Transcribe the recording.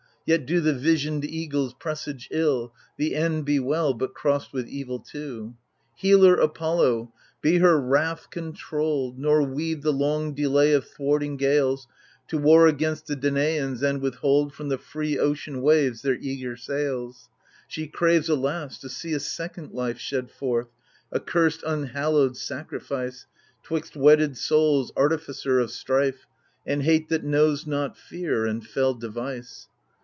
Yet do the visioned eagles presage ill; The end be well, but crossed with evil too I " Healer Apollo I be her wrath controlled, Nor weave the long delay of thwarting gales, To war against the Danaans and withhold From the free ocean waves their eager sails ! She craves, alas / to see a second life Shed forth, a curst unhallowed sacrifice —* Twixt wedded souls, artificer of strife. And hate that knows not fear, and fell device.